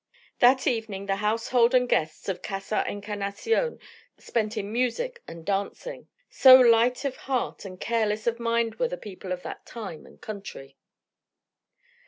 That evening the household and guests of Casa Encarnacion spent in music and dancing; so light of heart and careless of mind were the people of that time and country.